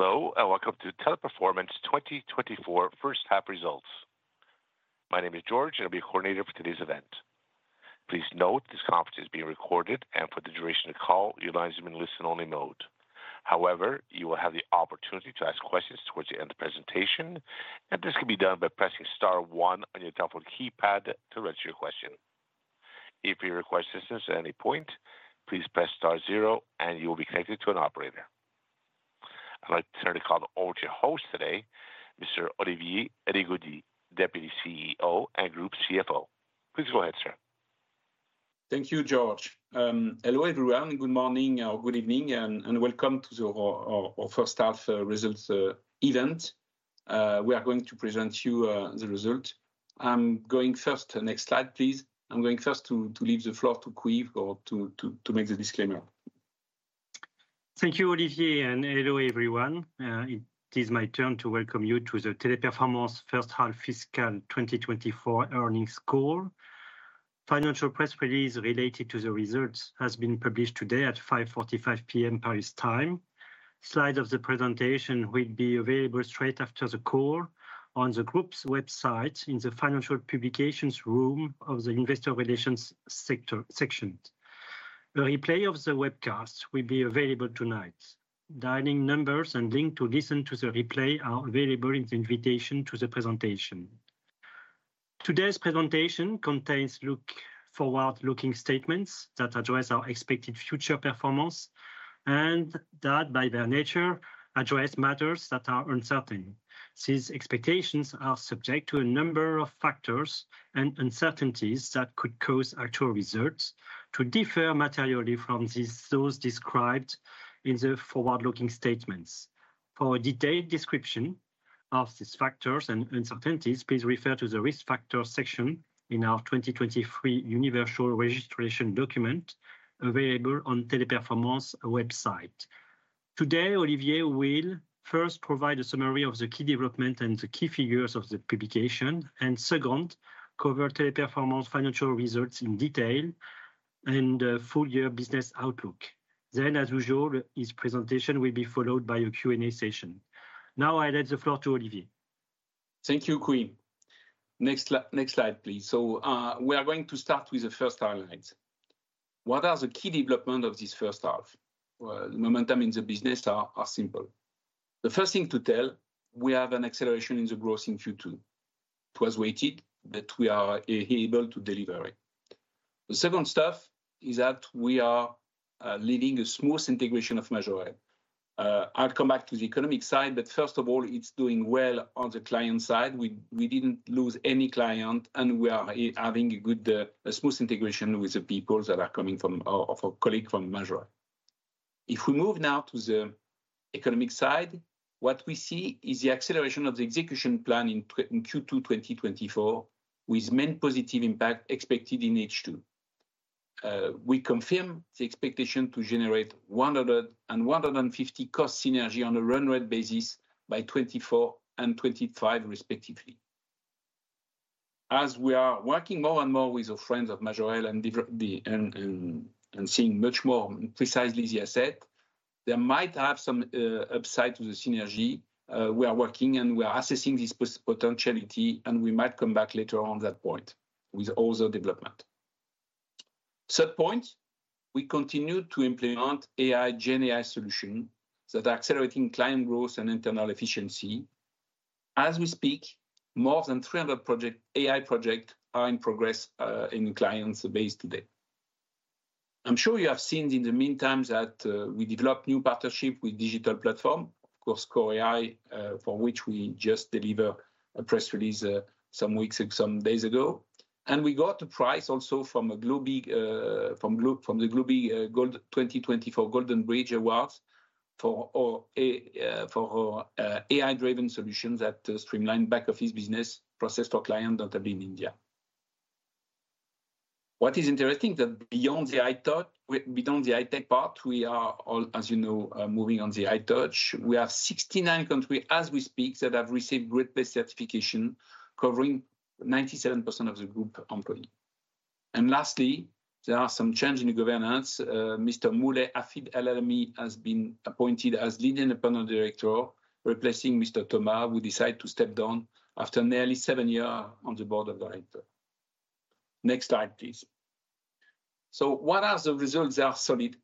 Hello, and welcome to Teleperformance 2024 first half results. My name is George, and I'll be your coordinator for today's event. Please note this conference is being recorded, and for the duration of the call, your lines will be in listen-only mode. However, you will have the opportunity to ask questions towards the end of the presentation, and this can be done by pressing Star 1 on your telephone keypad to register your question. If you require assistance at any point, please press Star 0, and you will be connected to an operator. I'd like to turn the call over to your host today, Mr. Olivier Rigaudy, Deputy CEO and Group CFO. Please go ahead, sir. Thank you, George. Hello everyone, good morning or good evening, and welcome to our first half results event. We are going to present to you the results. I'm going first. Next slide, please. I'm going first to leave the floor to Quy or to make the disclaimer. Thank you, Olivier, and hello everyone. It is my turn to welcome you to the Teleperformance First Half Fiscal 2024 earnings call. The financial press release related to the results has been published today at 5:45 P.M. Paris time. Slides of the presentation will be available straight after the call on the Group's website in the Financial Publications Room of the Investor Relations section. A replay of the webcast will be available tonight. Dialing numbers and links to listen to the replay are available in the invitation to the presentation. Today's presentation contains forward-looking statements that address our expected future performance and that, by their nature, address matters that are uncertain. These expectations are subject to a number of factors and uncertainties that could cause actual results to differ materially from those described in the forward-looking statements. For a detailed description of these factors and uncertainties, please refer to the risk factors section in our 2023 universal registration document available on the Teleperformance website. Today, Olivier will first provide a summary of the key developments and the key figures of the publication, and second, cover Teleperformance financial results in detail and the full-year business outlook. Then, as usual, his presentation will be followed by a Q&A session. Now, I'll let the floor to Olivier. Thank you, Quy. Next slide, please. So we are going to start with the first highlights. What are the key developments of this first half? The momentum in the business is simple. The first thing to tell, we have an acceleration in the growth in Q2. It was waited that we are able to deliver it. The second stuff is that we are leading a smooth integration of Majorel. I'll come back to the economic side, but first of all, it's doing well on the client side. We didn't lose any client, and we are having a good, smooth integration with the people that are coming from our colleagues from Majorel. If we move now to the economic side, what we see is the acceleration of the execution plan in Q2 2024, with main positive impact expected in H2. We confirm the expectation to generate 100 and 150 cost synergy on a run-rate basis by 2024 and 2025, respectively. As we are working more and more with our friends at Majorel and seeing much more precisely the asset, there might have some upside to the synergy. We are working, and we are assessing this potentiality, and we might come back later on that point with all the development. Third point, we continue to implement AI, GenAI solutions that are accelerating client growth and internal efficiency. As we speak, more than 300 AI projects are in progress in the client's base today. I'm sure you have seen in the meantime that we developed new partnerships with digital platforms, of course, Kore.ai, for which we just delivered a press release some weeks or some days ago. We got a prize also from the Globee 2024 Golden Bridge Awards for AI-driven solutions that streamline back-office business processes for clients, notably in India. What is interesting is that beyond the High Tech, we are, as you know, moving on the High Touch. We have 69 countries as we speak that have received Great Place to Work certification, covering 97% of the Group employees. And lastly, there are some changes in the governance. Mr. Moulay Hafid Elalamy has been appointed as Lead Independent Director, replacing Mr. Thomas, who decided to step down after nearly seven years on the board of directors. Next slide, please. So what are the results? They are solid,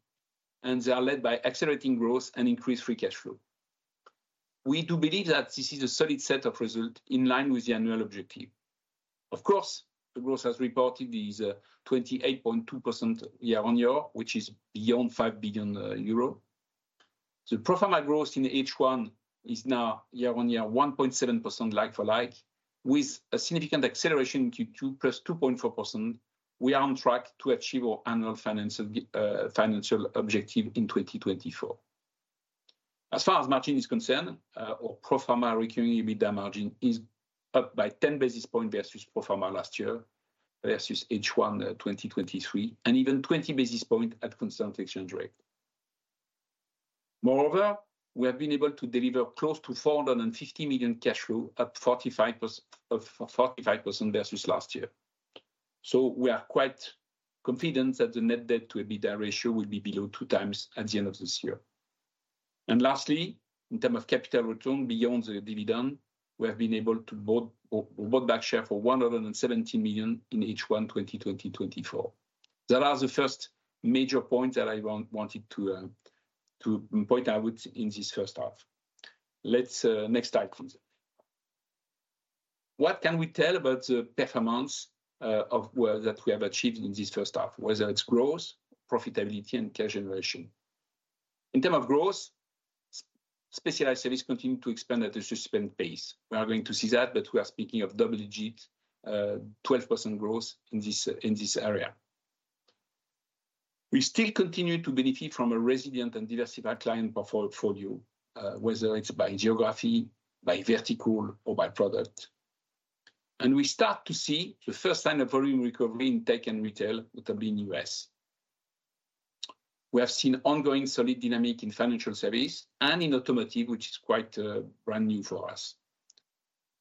and they are led by accelerating growth and increased free cash flow. We do believe that this is a solid set of results in line with the annual objective. Of course, the growth reported is 28.2% year-on-year, which is beyond 5 billion euro. The pro forma growth in H1 is now year-on-year 1.7% like-for-like, with a significant acceleration in Q2 +2.4%. We are on track to achieve our annual financial objective in 2024. As far as margin is concerned, our pro forma recurring EBITDA margin is up by 10 basis points versus pro forma last year versus H1 2023, and even 20 basis points at constant exchange rate. Moreover, we have been able to deliver close to 450 million cash flow, up 45% versus last year. So we are quite confident that the net debt-to-EBITDA ratio will be below 2x at the end of this year. And lastly, in terms of capital return beyond the dividend, we have been able to buy back shares for 117 million in H1 2024. Those are the first major points that I wanted to point out in this first half. Next slide, please. What can we tell about the performance that we have achieved in this first half, whether it's growth, profitability, and cash generation? In terms of growth, specialized services continues to expand at a sustained pace. We are going to see that, but we are speaking of double-digit 12% growth in this area. We still continue to benefit from a resilient and diversified client portfolio, whether it's by geography, by vertical, or by product. We start to see the first sign of volume recovery in tech and retail, notably in the U.S. We have seen ongoing solid dynamics in financial services and in automotive, which is quite brand new for us.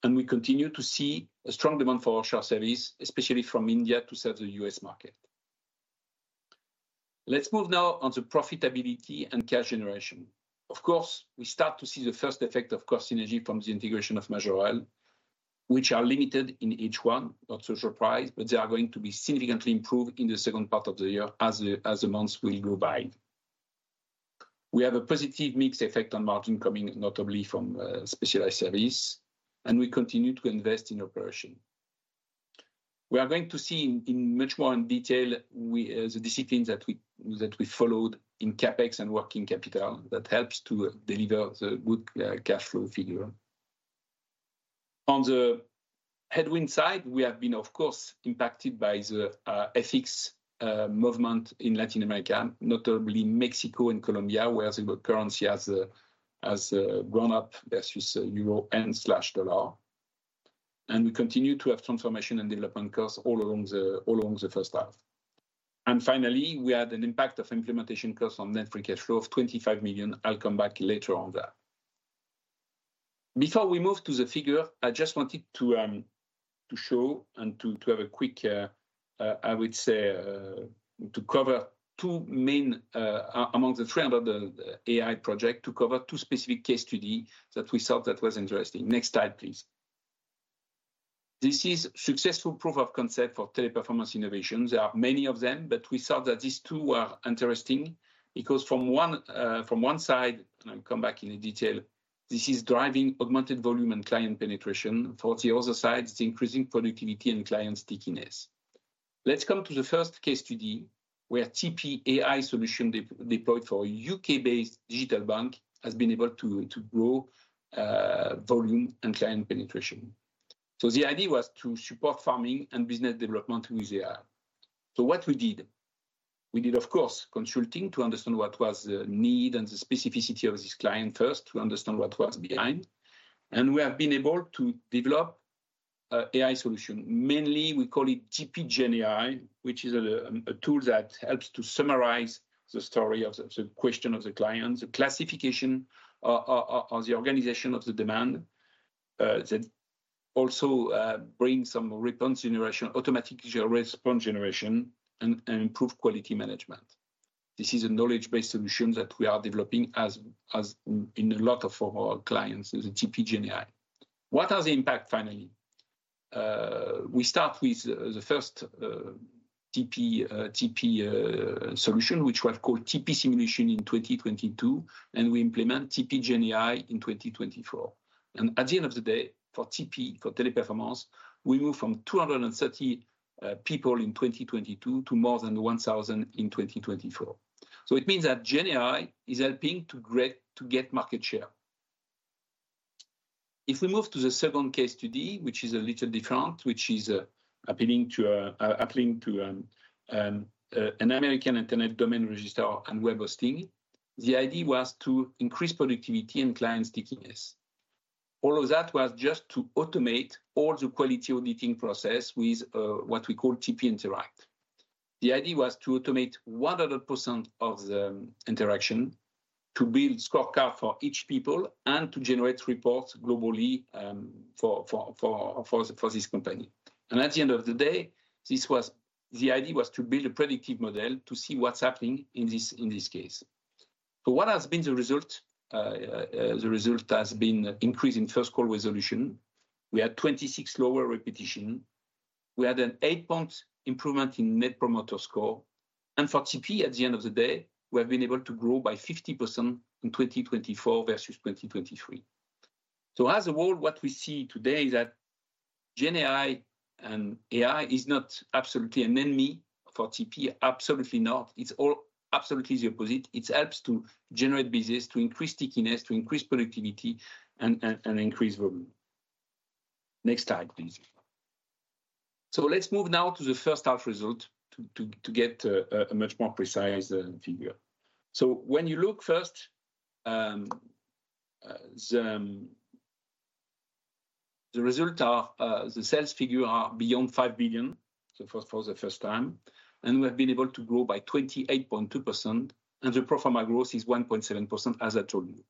We continue to see a strong demand for offshore services, especially from India to serve the U.S. market. Let's move now on to profitability and cash generation. Of course, we start to see the first effect of cost synergy from the integration of Majorel, which are limited in H1, not so surprised, but they are going to be significantly improved in the second part of the year as the months will go by. We have a positive mixed effect on margin coming notably from specialized services, and we continue to invest in operation. We are going to see in much more detail the disciplines that we followed in CapEx and working capital that helps to deliver the good cash flow figure. On the headwind side, we have been, of course, impacted by the FX movements in Latin America, notably Mexico and Colombia, where the currency has grown up versus euro and slash dollar. We continue to have transformation and development costs all along the first half. And finally, we had an impact of implementation costs on net free cash flow of 25 million. I'll come back later on that. Before we move to the figure, I just wanted to show and to have a quick, I would say, to cover two main among the 300 AI projects to cover two specific case studies that we thought that were interesting. Next slide, please. This is successful proof of concept for Teleperformance Innovations. There are many of them, but we thought that these two were interesting because from one side, and I'll come back in detail, this is driving augmented volume and client penetration. For the other side, it's increasing productivity and client stickiness. Let's come to the first case study where TP AI solution deployed for a UK-based digital bank has been able to grow volume and client penetration. So the idea was to support farming and business development with AI. So what we did, we did, of course, consulting to understand what was the need and the specificity of this client first to understand what was behind. And we have been able to develop an AI solution. Mainly, we call it TP GenAI, which is a tool that helps to summarize the story of the question of the client, the classification of the organization of the demand, that also brings some response generation, automatic response generation, and improved quality management. This is a knowledge-based solution that we are developing in a lot of our clients, the TP GenAI. What are the impacts, finally? We start with the first TP solution, which we have called TP Simulation in 2022, and we implement TP GenAI in 2024. At the end of the day, for TP, for Teleperformance, we moved from 230 people in 2022 to more than 1,000 in 2024. So it means that GenAI is helping to get market share. If we move to the second case study, which is a little different, which is appealing to an American Internet Domain Registrar and web hosting, the idea was to increase productivity and client stickiness. All of that was just to automate all the quality auditing process with what we call TP Interact. The idea was to automate 100% of the interaction, to build scorecards for each people, and to generate reports globally for this company. And at the end of the day, the idea was to build a predictive model to see what's happening in this case. So what has been the result? The result has been an increase in first call resolution. We had 26 lower repetitions. We had an 8-point improvement in net promoter score. And for TP, at the end of the day, we have been able to grow by 50% in 2024 versus 2023. So as a whole, what we see today is that GenAI and AI is not absolutely an enemy for TP, absolutely not. It's all absolutely the opposite. It helps to generate business, to increase stickiness, to increase productivity, and increase volume. Next slide, please. So let's move now to the first half result to get a much more precise figure. So when you look first, the sales figure are beyond 5 billion for the first time. And we have been able to grow by 28.2%. And the pro forma growth is 1.7%, as I told you.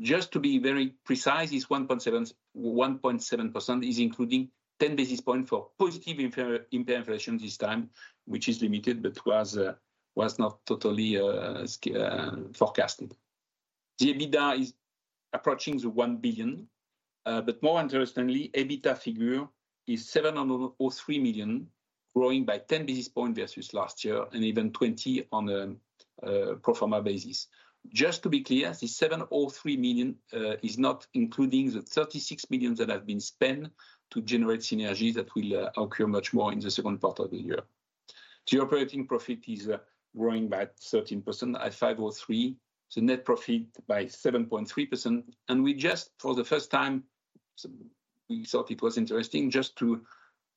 Just to be very precise, this 1.7% is including 10 basis points for positive inflation this time, which is limited, but was not totally forecasted. The EBITDA is approaching 1 billion. But more interestingly, EBITDA figure is 703 million, growing by 10 basis points versus last year and even 20 on a pro forma basis. Just to be clear, the 703 million is not including the 36 million that have been spent to generate synergies that will occur much more in the second part of the year. The operating profit is growing by 13% at 503 million. The net profit by 7.3%. And we just, for the first time, we thought it was interesting just to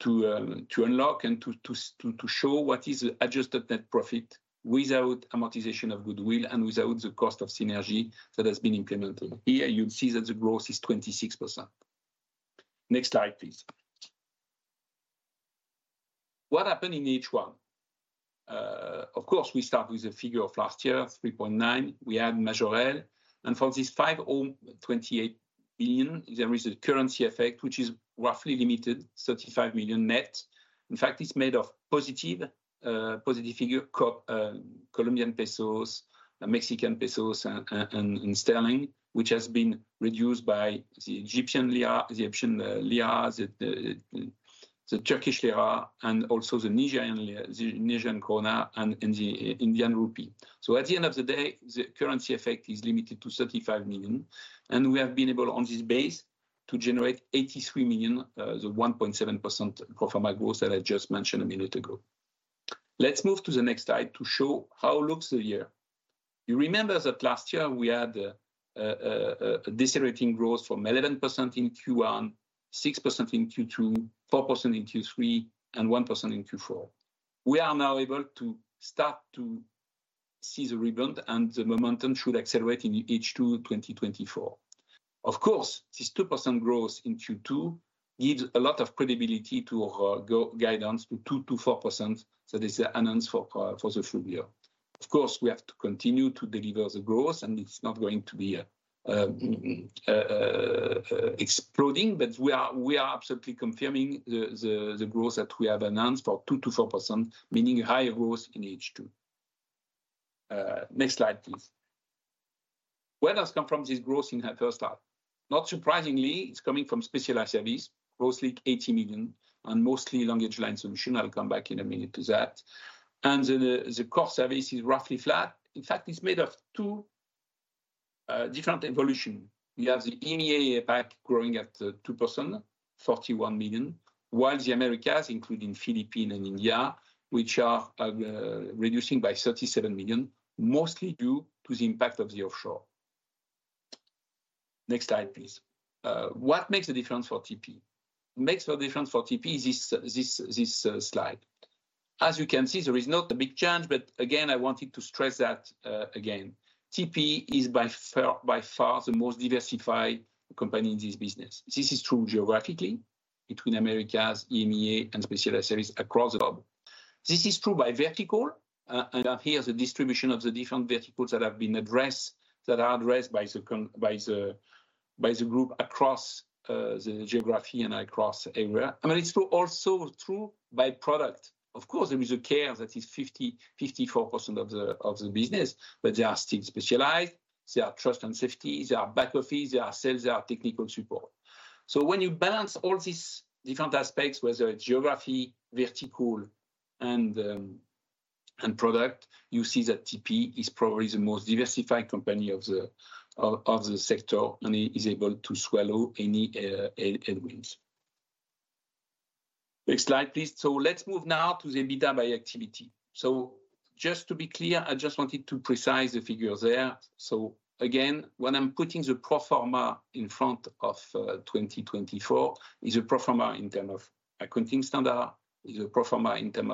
unlock and to show what is the adjusted net profit without amortization of goodwill and without the cost of synergy that has been implemented. Here, you'll see that the growth is 26%. Next slide, please. What happened in H1? Of course, we start with the figure of last year, 3.9 billion. We add Majorel. And for this 5.028 billion, there is a currency effect, which is roughly limited, 35 million net. In fact, it's made of positive figure, Colombian pesos, Mexican pesos, and sterling, which has been reduced by the Egyptian pound, the Turkish lira, and also the Nigerian naira and the Indian rupee. So at the end of the day, the currency effect is limited to 35 million. And we have been able, on this base, to generate 83 million, the 1.7% pro forma growth that I just mentioned a minute ago. Let's move to the next slide to show how it looks this year. You remember that last year, we had a decelerating growth from 11% in Q1, 6% in Q2, 4% in Q3, and 1% in Q4. We are now able to start to see the rebound, and the momentum should accelerate in H2 2024. Of course, this 2% growth in Q2 gives a lot of credibility to guidance to 2%-4%. So this is the announcement for the full year. Of course, we have to continue to deliver the growth, and it's not going to be exploding, but we are absolutely confirming the growth that we have announced for 2%-4%, meaning higher growth in H2. Next slide, please. Where does it come from, this growth in the first half? Not surprisingly, it's coming from specialized service, roughly 80 million, and mostly LanguageLine Solutions. I'll come back in a minute to that. And the core service is roughly flat. In fact, it's made of two different evolutions. We have the EMEA impact growing at 2%, 41 million, while the Americas, including Philippines and India, which are reducing by 37 million, mostly due to the impact of the offshore. Next slide, please. What makes the difference for TP? What makes the difference for TP is this slide. As you can see, there is not a big change, but again, I wanted to stress that again. TP is by far the most diversified company in this business. This is true geographically between Americas, EMEA, and specialized services across globe. This is true by vertical. And here's the distribution of the different verticals that have been addressed that are addressed by the group across the geography and across area. And it's also true by product. Of course, there is customer care that is 50%, 54% of the business, but they are still specialized. They are trust and safety. They are back office. They are sales. They are technical support. So when you balance all these different aspects, whether it's geography, vertical, and product, you see that TP is probably the most diversified company of the sector and is able to swallow any headwinds. Next slide, please. So let's move now to the EBITDA by activity. So just to be clear, I just wanted to precise the figures there. So again, when I'm putting the pro forma in front of 2024, it's a pro forma in terms of accounting standard. It's a pro forma in terms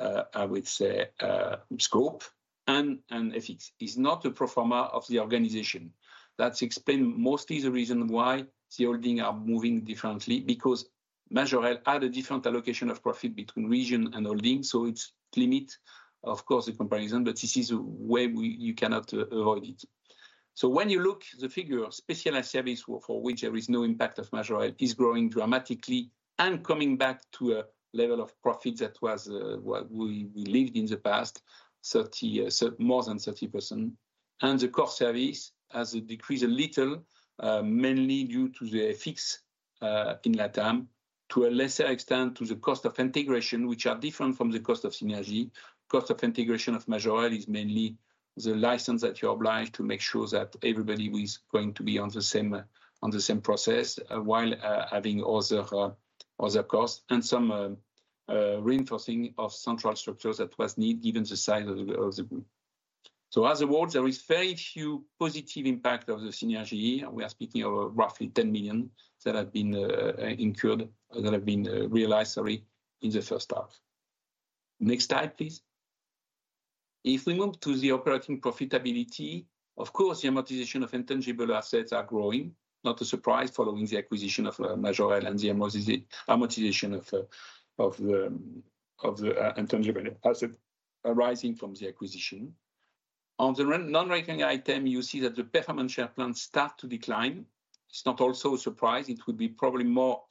of, I would say, scope. And it's not a pro forma of the organization. That explains mostly the reason why the holdings are moving differently, because Majorel had a different allocation of profit between region and holdings. So it's limit, of course, the comparison, but this is a way you cannot avoid it. So when you look, the figure, specialized service for which there is no impact of Majorel is growing dramatically and coming back to a level of profit that was what we lived in the past, more than 30%. And the core service has decreased a little, mainly due to the FX in LatAm, to a lesser extent to the cost of integration, which are different from the cost of synergy. Cost of integration of Majorel is mainly the license that you're obliged to make sure that everybody is going to be on the same process while having other costs and some reinforcing of central structures that was needed given the size of the group. So as a whole, there is very few positive impacts of the synergy. We are speaking of roughly 10 million that have been incurred, that have been realized, sorry, in the first half. Next slide, please. If we move to the operating profitability, of course, the amortization of intangible assets are growing. Not a surprise following the acquisition of Majorel and the amortization of the intangible assets arising from the acquisition. On the non-recurring item, you see that the performance share plan starts to decline. It's not also a surprise. It will be probably more.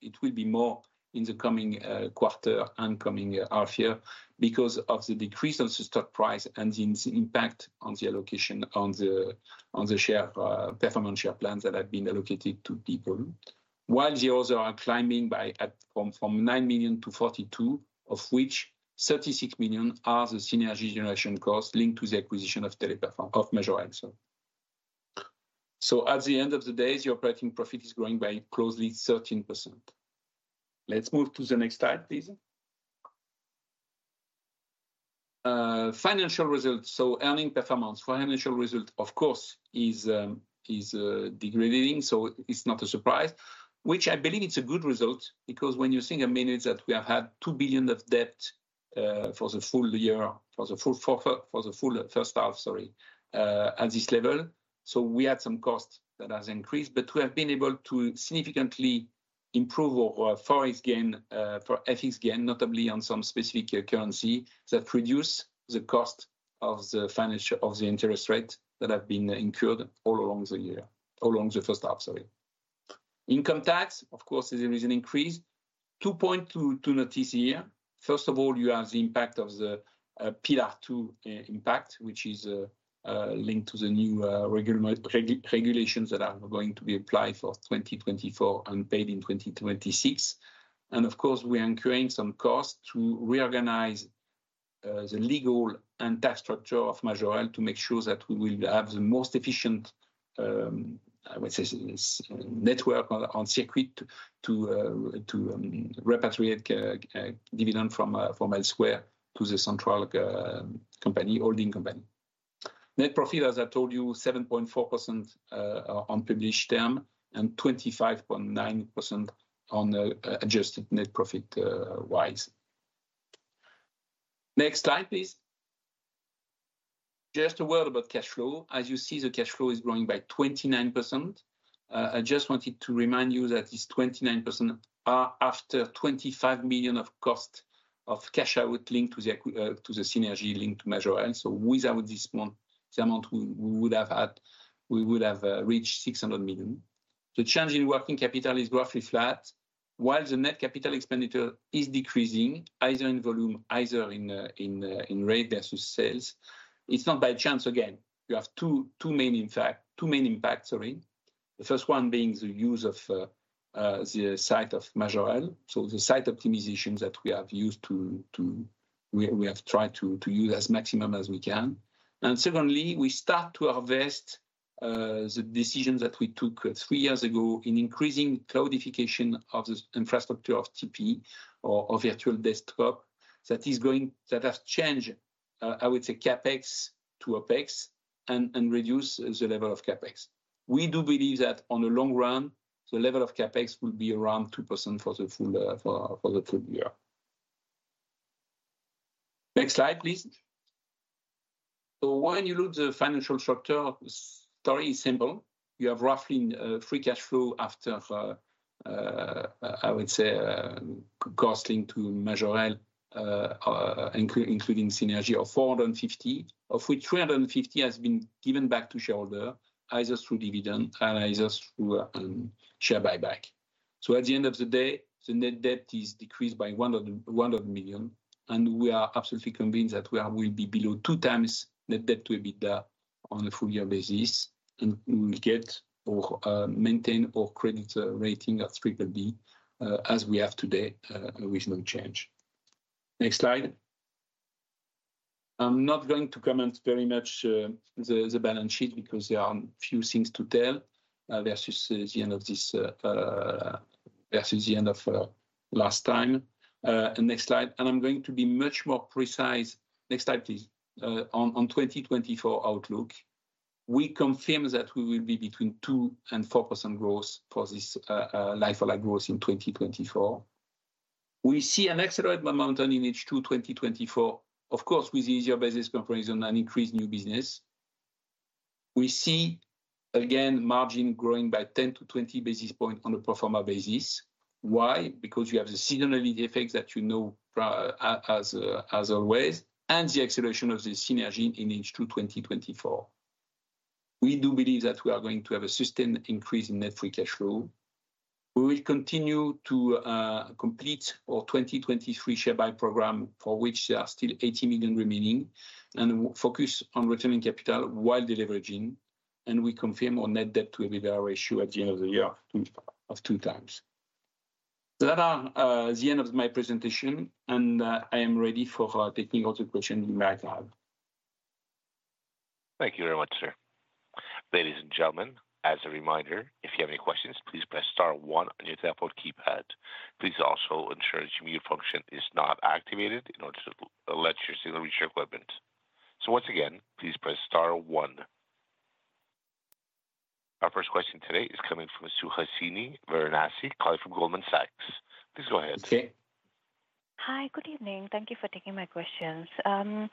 It will be more in the coming quarter and coming half year because of the decrease in the stock price and the impact on the allocation on the share performance share plans that have been allocated to people, while the others are climbing from 9 million to 42 million, of which 36 million are the synergy generation costs linked to the acquisition of Majorel. So at the end of the day, the operating profit is growing by closely 13%. Let's move to the next slide, please. Financial results. So earnings performance, financial result, of course, is degrading. So it's not a surprise, which I believe it's a good result because when you think a minute that we have had 2 billion of debt for the full year, for the full first half, sorry, at this level. So we had some costs that have increased, but we have been able to significantly improve our forex gain, for FX gain, notably on some specific currency that reduces the cost of the interest rate that have been incurred all along the year, all along the first half, sorry. Income tax, of course, there is an increase. Two points to notice here. First of all, you have the impact of the Pillar 2 impact, which is linked to the new regulations that are going to be applied for 2024 and paid in 2026. And of course, we are incurring some costs to reorganize the legal and tax structure of Majorel to make sure that we will have the most efficient, I would say, network on circuit to repatriate dividend from elsewhere to the central company holding company. Net profit, as I told you, 7.4% on published term and 25.9% on adjusted net profit wise. Next slide, please. Just a word about cash flow. As you see, the cash flow is growing by 29%. I just wanted to remind you that this 29% after 25 million of cost of cash out linked to the synergy linked to Majorel. So without this amount, we would have reached 600 million. The change in working capital is roughly flat, while the net capital expenditure is decreasing, either in volume, either in rate versus sales. It's not by chance, again. You have two main impacts, sorry. The first one being the use of the site of Majorel. So the site optimization that we have used to, we have tried to use as maximum as we can. And secondly, we start to harvest the decisions that we took three years ago in increasing cloudification of the infrastructure of TP or virtual desktop that has changed, I would say, CapEx to OpEx and reduce the level of CapEx. We do believe that on the long run, the level of CapEx will be around 2% for the full year. Next slide, please. So when you look at the financial structure, the story is simple. You have roughly free cash flow after, I would say, cost linked to Majorel, including synergy, of 450 million, of which 350 million has been given back to shareholders, either through dividend and either through share buyback. So at the end of the day, the net debt is decreased by 100 million. We are absolutely convinced that we will be below 2x net debt to EBITDA on a full-year basis. We will get or maintain our credit rating at triple B as we have today, with no change. Next slide. I'm not going to comment very much on the balance sheet because there are a few things to tell versus the end of this versus the end of last time. Next slide. I'm going to be much more precise. Next slide, please. On 2024 outlook, we confirm that we will be between 2%-4% growth for this like-for-like growth in 2024. We see an accelerated momentum in H2 2024, of course, with the easier basis comparison and increased new business. We see, again, margin growing by 10-20 basis points on a pro forma basis. Why? Because you have the seasonality effects that you know as always and the acceleration of the synergy in H2 2024. We do believe that we are going to have a sustained increase in net free cash flow. We will continue to complete our 2023 share buy program for which there are still 80 million remaining and focus on returning capital while deleveraging. We confirm our net debt to EBITDA ratio at the end of the year of 2x. That is the end of my presentation. I am ready for taking all the questions you might have. Thank you very much, sir. Ladies and gentlemen, as a reminder, if you have any questions, please press star one on your telephone keypad. Please also ensure that your mute function is not activated in order to let your signal reach your equipment. So once again, please press star one. Our first question today is coming from Suhasini Varanasi, calling from Goldman Sachs. Please go ahead. Okay. Hi, good evening. Thank you for taking my questions. And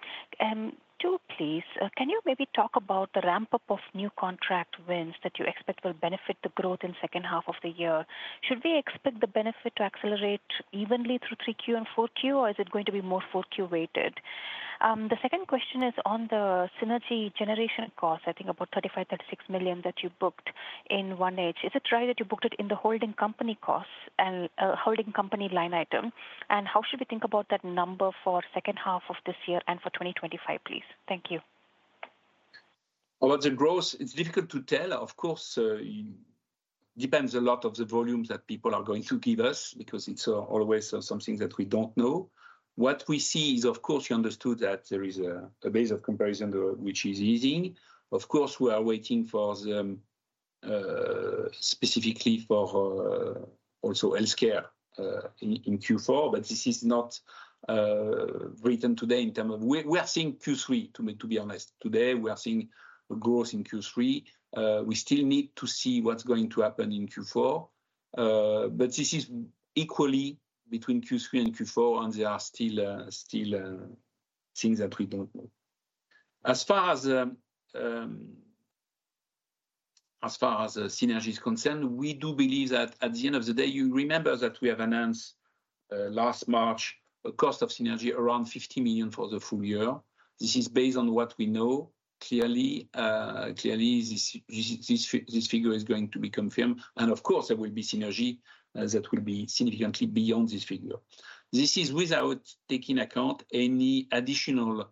two, please, can you maybe talk about the ramp-up of new contract wins that you expect will benefit the growth in the second half of the year? Should we expect the benefit to accelerate evenly through 3Q and 4Q, or is it going to be more 4Q weighted? The second question is on the synergy generation cost, I think about 35-36 million that you booked in 1H. Is it right that you booked it in the holding company costs and holding company line item? How should we think about that number for the second half of this year and for 2025, please? Thank you. Well, the growth, it's difficult to tell. Of course, it depends a lot on the volumes that people are going to give us because it's always something that we don't know. What we see is, of course, you understood that there is a base of comparison which is easing. Of course, we are waiting specifically for also healthcare in Q4, but this is not written today in terms of we are seeing Q3, to be honest. Today, we are seeing a growth in Q3. We still need to see what's going to happen in Q4. But this is equally between Q3 and Q4, and there are still things that we don't know. As far as synergy is concerned, we do believe that at the end of the day, you remember that we have announced last March a cost of synergy around 50 million for the full year. This is based on what we know. Clearly, this figure is going to be confirmed. And of course, there will be synergy that will be significantly beyond this figure. This is without taking account any additional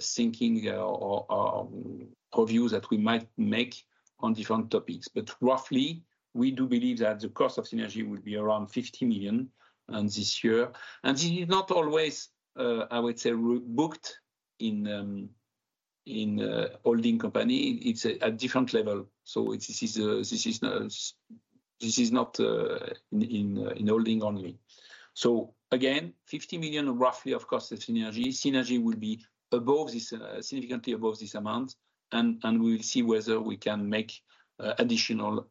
thinking or reviews that we might make on different topics. But roughly, we do believe that the cost of synergy will be around 50 million this year. And this is not always, I would say, booked in holding company. It's at different level. So this is not in holding only. So again, 50 million roughly of cost of synergy. Synergy will be significantly above this amount. And we will see whether we can make additional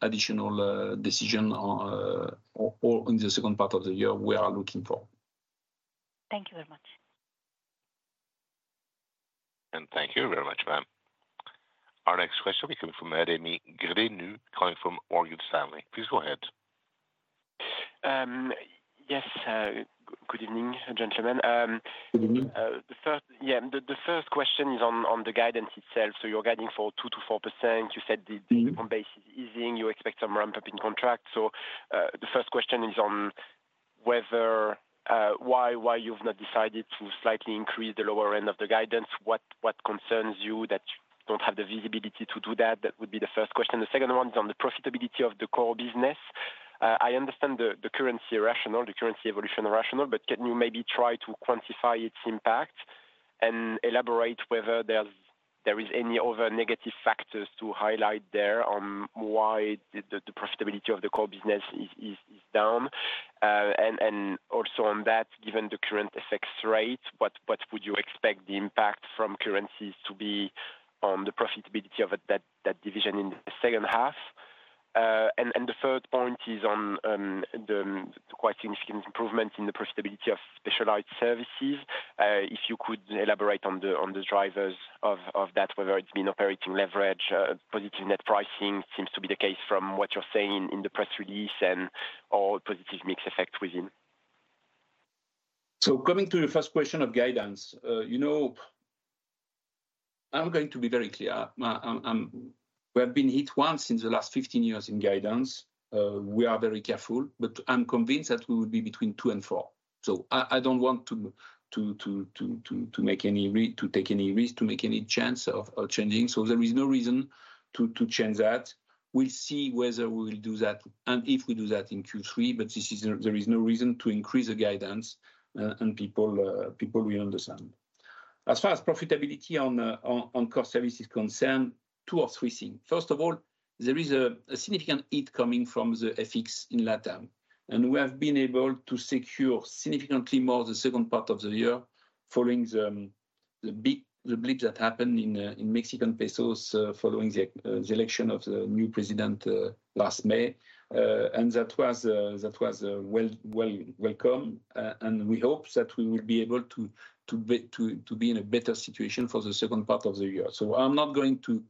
decisions in the second part of the year we are looking for. Thank you very much. And thank you very much, ma'am. Our next question will be coming from Rémi Grenu, calling from Morgan Stanley. Please go ahead. Yes. Good evening, gentlemen. Good evening. Yeah. The first question is on the guidance itself. So you're guiding for 2%-4%. You said the home base is easing. You expect some ramp-up in contract. So the first question is on why you've not decided to slightly increase the lower end of the guidance. What concerns you that you don't have the visibility to do that? That would be the first question. The second one is on the profitability of the core business. I understand the currency rationale, the currency evolution rationale, but can you maybe try to quantify its impact and elaborate whether there is any other negative factors to highlight there on why the profitability of the core business is down? And also on that, given the current exchange rate, what would you expect the impact from currencies to be on the profitability of that division in the second half? And the third point is on the quite significant improvement in the profitability of specialized services. If you could elaborate on the drivers of that, whether it's been operating leverage, positive net pricing, seems to be the case from what you're saying in the press release, and all positive mix effect within. So coming to the first question of guidance, I'm going to be very clear. We have been hit once in the last 15 years in guidance. We are very careful, but I'm convinced that we will be between two and four. So I don't want to take any risk to make any chance of changing. So there is no reason to change that. We'll see whether we will do that and if we do that in Q3, but there is no reason to increase the guidance and people will understand. As far as profitability on core services concerned, two or three things. First of all, there is a significant hit coming from the FX in LatAm. And we have been able to secure significantly more the second part of the year following the blip that happened in Mexican pesos following the election of the new president last May. And that was well welcome. And we hope that we will be able to be in a better situation for the second part of the year. So I'm not going to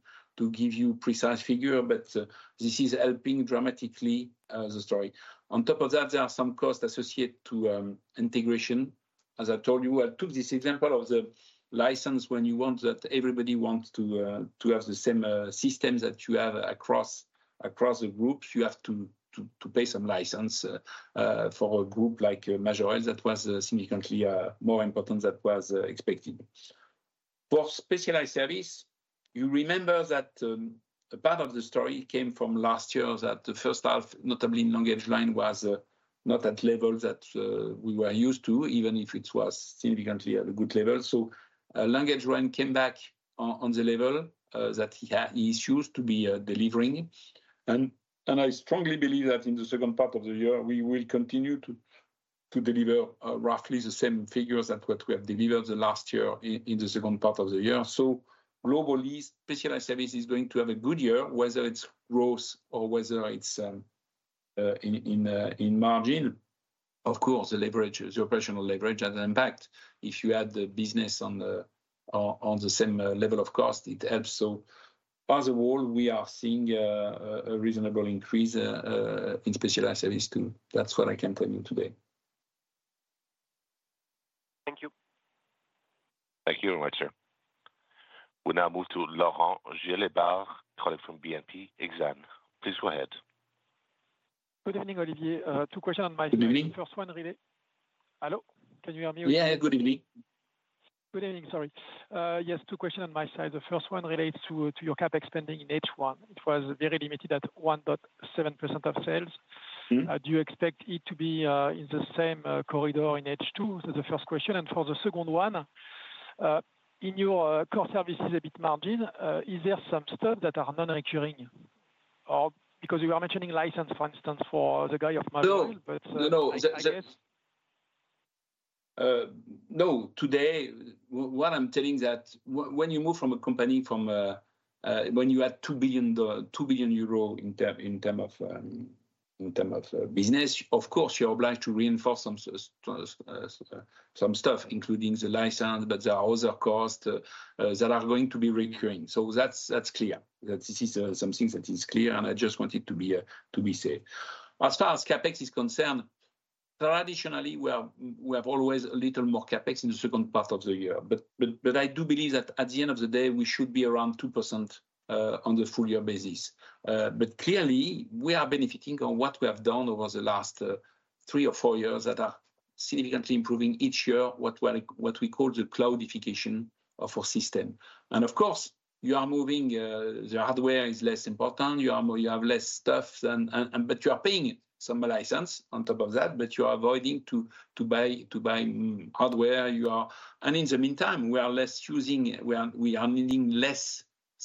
give you a precise figure, but this is helping dramatically. The story. On top of that, there are some costs associated to integration. As I told you, I took this example of the license when you want that everybody wants to have the same system that you have across the groups. You have to pay some license for a group like Majorel that was significantly more important than was expected. For specialized service, you remember that part of the story came from last year that the first half, notably in language line, was not at levels that we were used to, even if it was significantly at a good level. So language line came back on the level that he is used to be delivering. I strongly believe that in the second part of the year, we will continue to deliver roughly the same figures that we have delivered last year in the second part of the year. Globally, specialized service is going to have a good year, whether it's growth or whether it's in margin. Of course, the operational leverage has an impact. If you add the business on the same level of cost, it helps. As a whole, we are seeing a reasonable increase in specialized service too. That's what I can tell you today. Thank you. Thank you very much, sir. We now move to Laurent Gélébart, calling from BNP Exane. Please go ahead. Good evening, Olivier. Two questions on my side. Good evening. First one, really? Hello? Can you hear me? Yeah, good evening. Good evening, sorry. Yes, two questions on my side. The first one relates to your CapEx expanding in H1. It was very limited at 1.7% of sales. Do you expect it to be in the same corridor in H2? That's the first question. And for the second one, in your core services EBIT margin, is there some stuff that are non-recurring? Because you were mentioning license, for instance, for the guy of Majorel, but I guess. No, today, what I'm telling is that when you move from a company from when you had €2 billion in terms of business, of course, you're obliged to reinforce some stuff, including the license, but there are other costs that are going to be recurring. So that's clear. This is something that is clear, and I just wanted to be said. As far as CapEx is concerned, traditionally, we have always a little more CapEx in the second part of the year. But I do believe that at the end of the day, we should be around 2% on the full year basis. But clearly, we are benefiting on what we have done over the last three or four years that are significantly improving each year, what we call the cloudification of our system. And of course, you are moving the hardware is less important. You have less stuff, but you are paying some license on top of that, but you are avoiding to buy hardware. And in the meantime, we are less using we are needing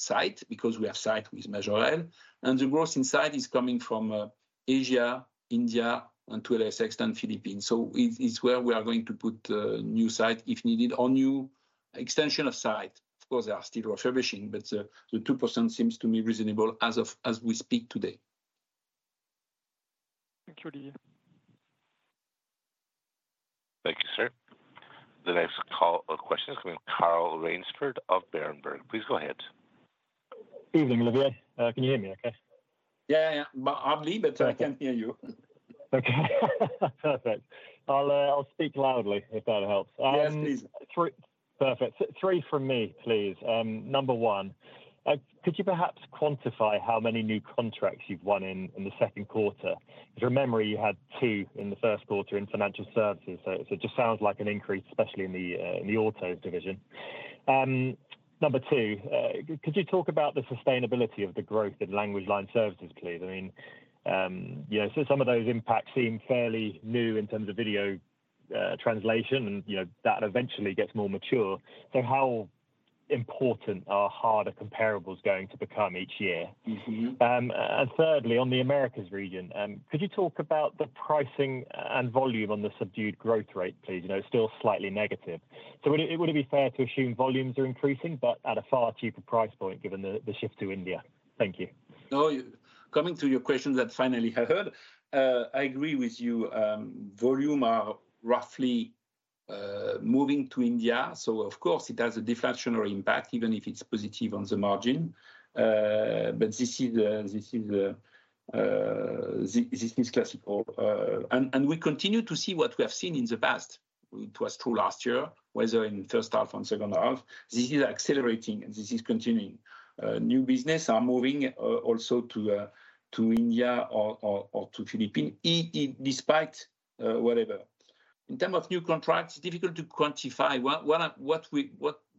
less site because we have site with Majorel. And the growth inside is coming from Asia, India, and to a lesser extent, Philippines. So it's where we are going to put a new site if needed or new extension of site. Of course, they are still refurbishing, but the 2% seems to be reasonable as we speak today. Thank you, Olivier. Thank you, sir. The next question is coming from Carl Raynsford of Berenberg. Please go ahead. Good evening, Olivier. Can you hear me okay? Yeah, yeah, yeah. Hardly, but I can hear you. Okay. Perfect. I'll speak loudly if that helps. Yes, please. Perfect. 3 from me, please. Number 1, could you perhaps quantify how many new contracts you've won in the second quarter? If you remember, you had 2 in the first quarter in financial services. So it just sounds like an increase, especially in the auto division. Number 2, could you talk about the sustainability of the growth in language line services, please? I mean, some of those impacts seem fairly new in terms of video translation, and that eventually gets more mature. So how important are harder comparables going to become each year? And thirdly, on the Americas region, could you talk about the pricing and volume on the subdued growth rate, please? It's still slightly negative. So would it be fair to assume volumes are increasing, but at a far cheaper price point given the shift to India? Thank you. No, coming to your question that finally I heard, I agree with you. Volume are roughly moving to India. So of course, it has a deflationary impact, even if it's positive on the margin. But this is classical. And we continue to see what we have seen in the past. It was true last year, whether in first half or second half. This is accelerating, and this is continuing. New business are moving also to India or to Philippines despite whatever. In terms of new contracts, it's difficult to quantify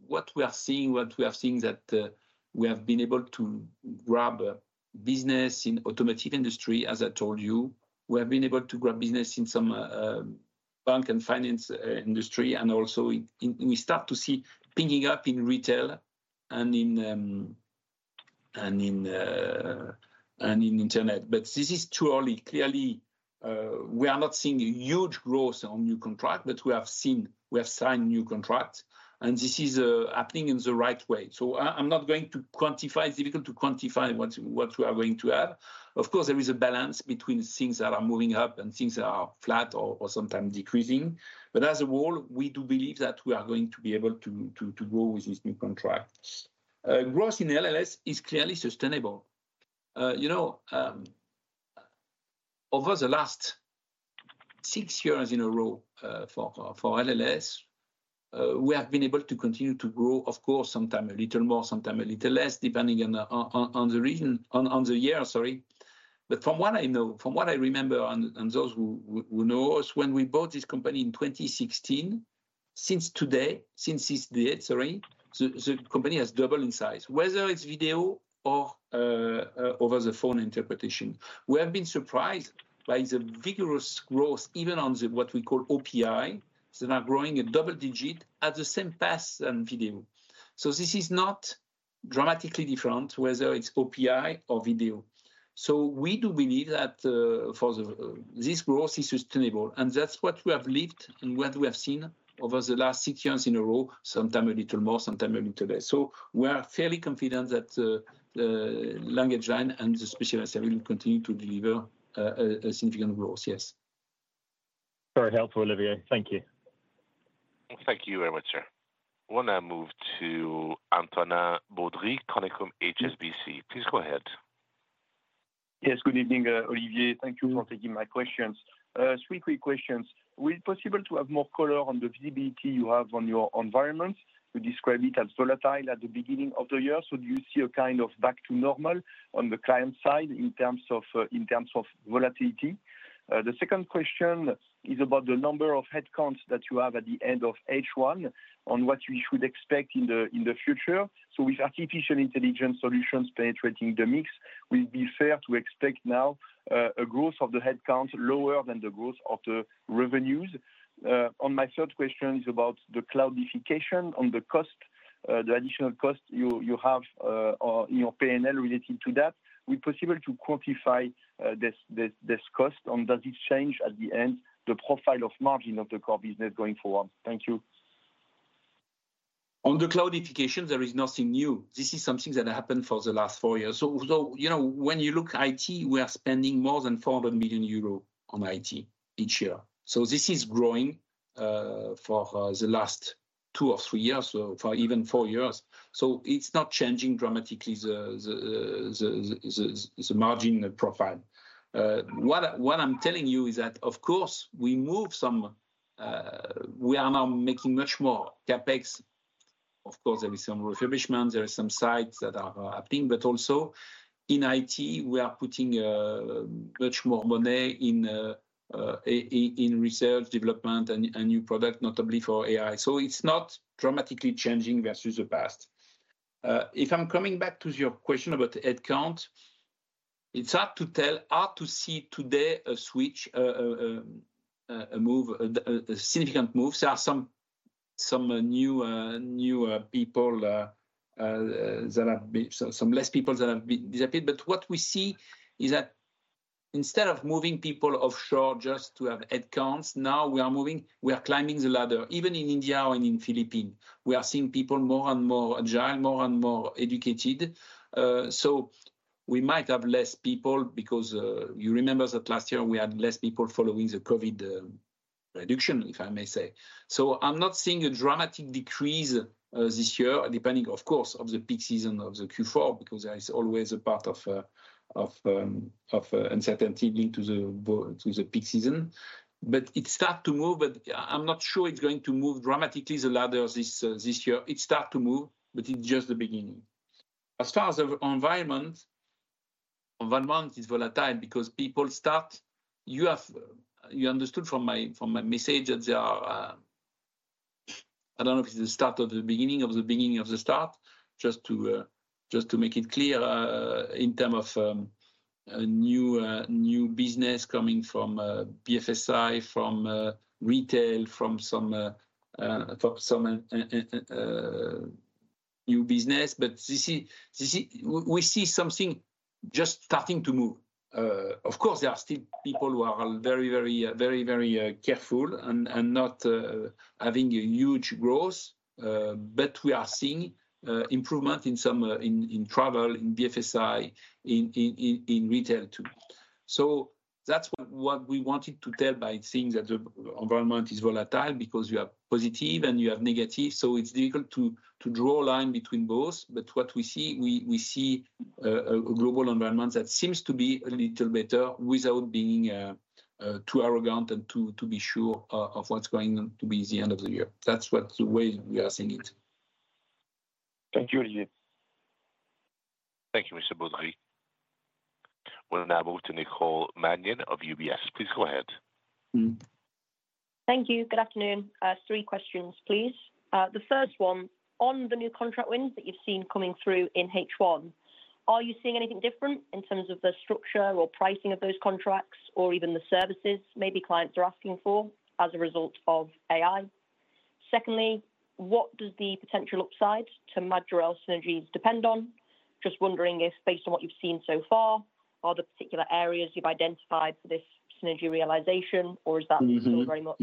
what we are seeing, what we have seen that we have been able to grab business in the automotive industry, as I told you. We have been able to grab business in some bank and finance industry, and also we start to see picking up in retail and in internet. But this is too early. Clearly, we are not seeing huge growth on new contracts, but we have signed new contracts. And this is happening in the right way. So I'm not going to quantify. It's difficult to quantify what we are going to have. Of course, there is a balance between things that are moving up and things that are flat or sometimes decreasing. But as a whole, we do believe that we are going to be able to grow with these new contracts. Growth in LLS is clearly sustainable. Over the last six years in a row for LLS, we have been able to continue to grow, of course, sometimes a little more, sometimes a little less, depending on the year, sorry. But from what I know, from what I remember, and those who know us, when we bought this company in 2016, since today, since it's dead, sorry, the company has doubled in size, whether it's video or over-the-phone interpretation. We have been surprised by the vigorous growth, even on what we call OPI, that are growing a double digit at the same pace than video. So this is not dramatically different whether it's OPI or video. So we do believe that this growth is sustainable. And that's what we have lived and what we have seen over the last six years in a row, sometimes a little more, sometimes a little less. So we are fairly confident that the language line and the specialized service will continue to deliver a significant growth, yes. Very helpful, Olivier. Thank you. Thank you very much, sir. We'll now move to Antonin Baudry, calling from HSBC. Please go ahead. Yes, good evening, Olivier. Thank you for taking my questions. Three quick questions. Will it be possible to have more color on the visibility you have on your environment? You described it as volatile at the beginning of the year. So do you see a kind of back to normal on the client side in terms of volatility? The second question is about the number of headcounts that you have at the end of H1 on what you should expect in the future. So with artificial intelligence solutions penetrating the mix, will it be fair to expect now a growth of the headcount lower than the growth of the revenues? On my third question is about the cloudification on the cost, the additional cost you have in your P&L related to that. Will it be possible to quantify this cost? And does it change at the end the profile of margin of the core business going forward? Thank you. On the cloudification, there is nothing new. This is something that happened for the last four years. So when you look at IT, we are spending more than 400 million euros on IT each year. So this is growing for the last two or three years, even four years. So it's not changing dramatically the margin profile. What I'm telling you is that, of course, we move some we are now making much more CapEx. Of course, there are some refurbishments. There are some sites that are happening. But also in IT, we are putting much more money in research, development, and new products, notably for AI. So it's not dramatically changing versus the past. If I'm coming back to your question about headcount, it's hard to tell, hard to see today a switch, a move, a significant move. There are some new people that have been some less people that have disappeared. But what we see is that instead of moving people offshore just to have headcounts, now we are moving we are climbing the ladder. Even in India and in the Philippines, we are seeing people more and more agile, more and more educated. So we might have less people because you remember that last year we had less people following the COVID reduction, if I may say. So, I'm not seeing a dramatic decrease this year, depending, of course, on the peak season of the Q4 because there is always a part of uncertainty linked to the peak season. But it starts to move, but I'm not sure it's going to move dramatically the latter this year. It starts to move, but it's just the beginning. As far as the environment, the environment is volatile because, as you understood from my message, that there are—I don't know if it's the start of the beginning of the beginning of the start—just to make it clear in terms of new business coming from BFSI, from retail, from some new business. But we see something just starting to move. Of course, there are still people who are very, very careful and not having a huge growth, but we are seeing improvement in travel, in BFSI, in retail too. So that's what we wanted to tell by saying that the environment is volatile because you have positive and you have negative. So it's difficult to draw a line between both. But what we see, we see a global environment that seems to be a little better without being too arrogant and to be sure of what's going to be the end of the year. That's the way we are seeing it. Thank you, Olivier. Thank you, Mr. Baudry. We'll now move to Nicole Manion of UBS. Please go ahead. Thank you. Good afternoon. Three questions, please. The first one, on the new contract wins that you've seen coming through in H1, are you seeing anything different in terms of the structure or pricing of those contracts or even the services maybe clients are asking for as a result of AI? Secondly, what does the potential upside to Majorel synergies depend on? Just wondering if, based on what you've seen so far, are there particular areas you've identified for this synergy realization, or is that still very much?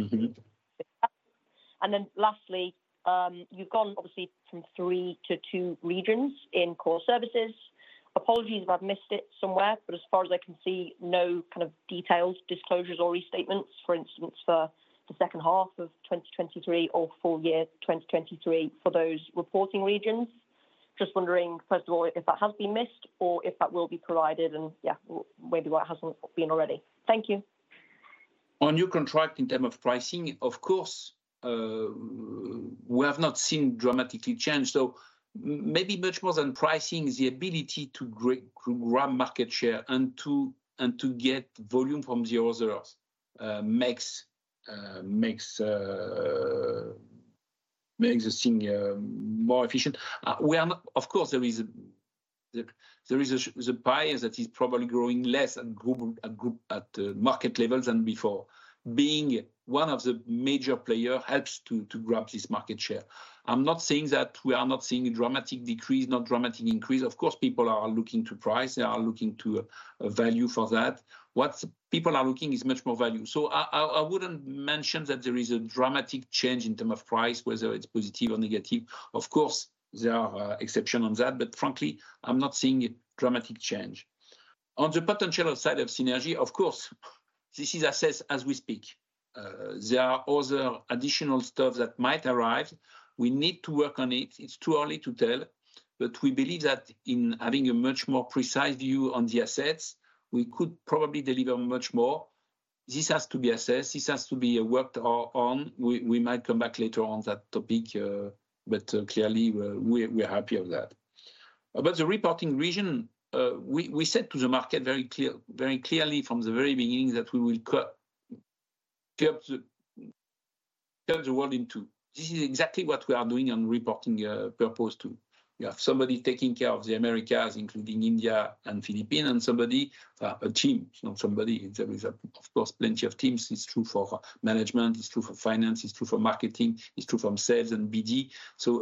And then lastly, you've gone, obviously, from 3 to 2 regions in core services. Apologies if I've missed it somewhere, but as far as I can see, no kind of details, disclosures, or restatements, for instance, for the second half of 2023 or full year 2023 for those reporting regions. Just wondering, first of all, if that has been missed or if that will be provided and, yeah, maybe what hasn't been already. Thank you. On your contract in terms of pricing, of course, we have not seen dramatic change. So maybe much more than pricing is the ability to grab market share and to get volume from the other makes the thing more efficient. Of course, there is a pie that is probably growing less at market levels than before. Being one of the major players helps to grab this market share. I'm not saying that we are not seeing a dramatic decrease, not dramatic increase. Of course, people are looking to price. They are looking to value for that. What people are looking is much more value. So I wouldn't mention that there is a dramatic change in terms of price, whether it's positive or negative. Of course, there are exceptions on that, but frankly, I'm not seeing a dramatic change. On the potential side of synergy, of course, this is assets as we speak. There are other additional stuff that might arrive. We need to work on it. It's too early to tell, but we believe that in having a much more precise view on the assets, we could probably deliver much more. This has to be assessed. This has to be worked on. We might come back later on that topic, but clearly, we're happy of that. About the reporting region, we said to the market very clearly from the very beginning that we will cut the world in two. This is exactly what we are doing on reporting purpose too. You have somebody taking care of the Americas, including India and Philippines, and somebody, a team, not somebody. Of course, plenty of teams. It's true for management. It's true for finance. It's true for marketing. It's true from sales and BD. So,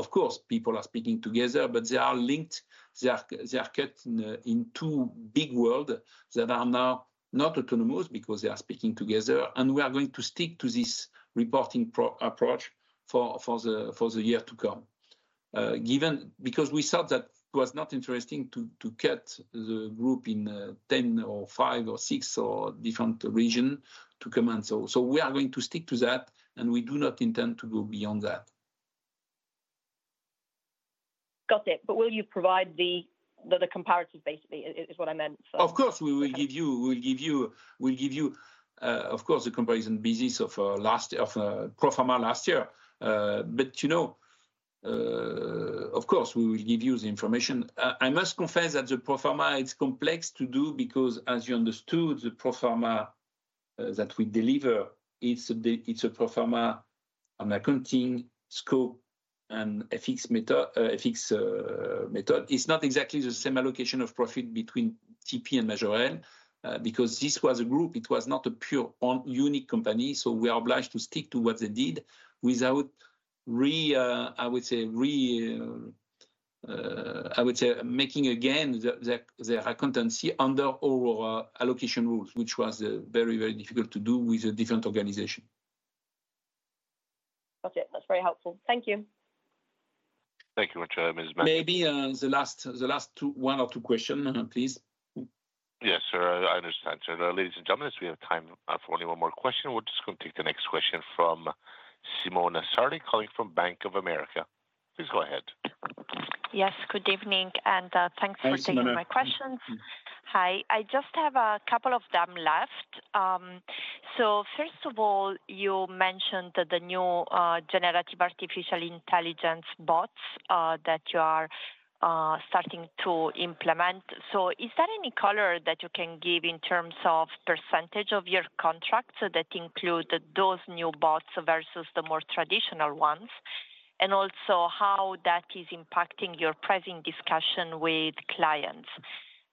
of course, people are speaking together, but they are linked. They are cut into big worlds that are now not autonomous because they are speaking together. We are going to stick to this reporting approach for the year to come. We thought that it was not interesting to cut the group in 10 or 5 or 6 or different regions to comment. We are going to stick to that, and we do not intend to go beyond that. Got it. Will you provide the comparison, basically, is what I meant? Of course, we will give you we'll give you, of course, the comparison business of pro forma last year. Of course, we will give you the information. I must confess that the pro forma, it's complex to do because, as you understood, the pro forma that we deliver, it's a pro forma accounting scope and FX method. It's not exactly the same allocation of profit between TP and Majorel because this was a group. It was not a pure unique company. So we are obliged to stick to what they did without, I would say, making again their accountancy under all allocation rules, which was very, very difficult to do with a different organization. Got it. That's very helpful. Thank you. Thank you very much, Ms. Maybe the last one or two questions, please. Yes, sir. I understand. Ladies and gentlemen, as we have time for only one more question, we're just going to take the next question from Simona Sarli calling from Bank of America. Please go ahead. Yes, good evening, and thanks for taking my questions. Hi. I just have a couple of them left. So first of all, you mentioned the new generative artificial intelligence bots that you are starting to implement. So is there any color that you can give in terms of percentage of your contracts that include those new bots versus the more traditional ones? And also how that is impacting your pricing discussion with clients.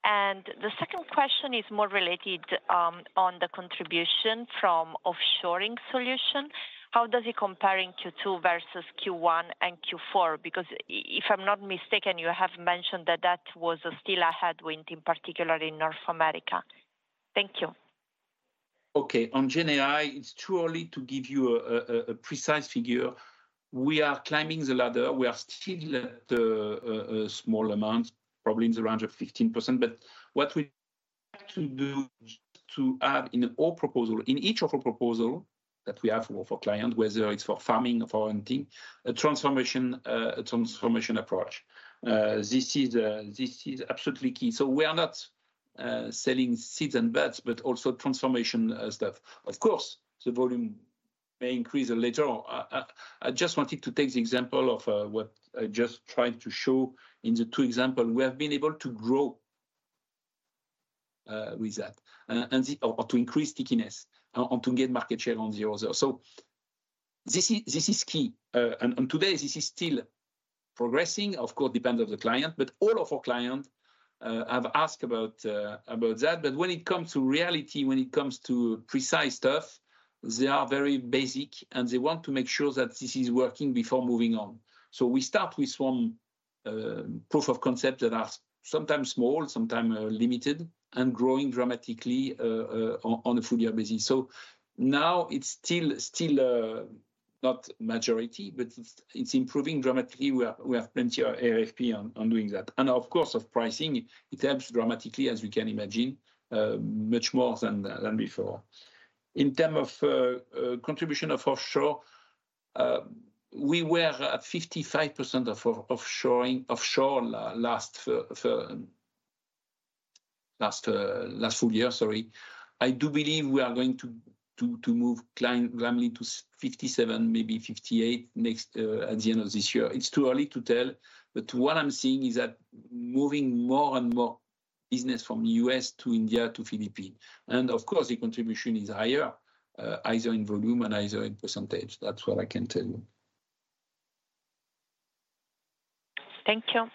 And the second question is more related on the contribution from offshoring solution. How does it compare in Q2 versus Q1 and Q4? Because if I'm not mistaken, you have mentioned that that was still a headwind, in particular in North America. Thank you. Okay. On GenAI, it's too early to give you a precise figure. We are climbing the ladder. We are still at a small amount, probably in the range of 15%. But what we have to do to add in each of our proposals that we have for clients, whether it's for farming or for anything, a transformation approach. This is absolutely key. We are not selling seats and bots, but also transformation stuff. Of course, the volume may increase later. I just wanted to take the example of what I just tried to show in the two examples. We have been able to grow with that or to increase stickiness or to get market share on the other. This is key. Today, this is still progressing. Of course, it depends on the client, but all of our clients have asked about that. But when it comes to reality, when it comes to precise stuff, they are very basic, and they want to make sure that this is working before moving on. We start with some proof of concept that are sometimes small, sometimes limited, and growing dramatically on a full year basis. Now it's still not majority, but it's improving dramatically. We have plenty of RFPs on doing that. And of course, of pricing, it helps dramatically, as you can imagine, much more than before. In terms of contribution of offshore, we were at 55% of offshore last full year. Sorry. I do believe we are going to move gladly to 57, maybe 58 at the end of this year. It's too early to tell, but what I'm seeing is that moving more and more business from the U.S. to India to Philippines. And of course, the contribution is higher, either in volume and either in percentage. That's what I can tell you. Thank you.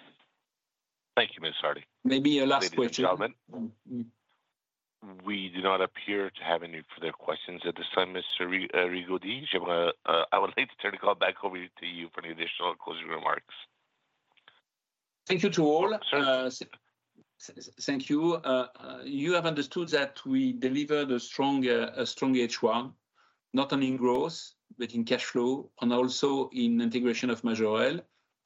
Thank you, Ms. Hardy. Maybe a last question. Ladies and gentlemen, we do not appear to have any further questions at this time, Mr. Rigaudy. I would like to turn the call back over to you for any additional closing remarks. Thank you to all. Thank you. You have understood that we delivered a strong H1, not only in growth, but in cash flow, and also in integration of Majorel.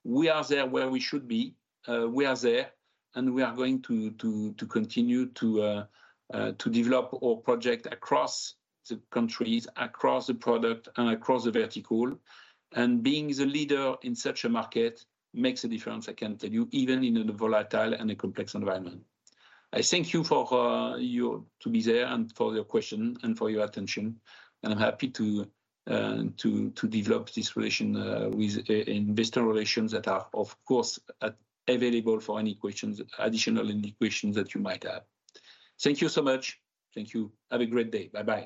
We are there where we should be. We are there, and we are going to continue to develop our project across the countries, across the product, and across the vertical. And being the leader in such a market makes a difference, I can tell you, even in a volatile and a complex environment. I thank you for you to be there and for your question and for your attention. And I'm happy to develop this relation with investor relations that are, of course, available for any questions, additional questions that you might have. Thank you so much. Thank you. Have a great day. Bye-bye.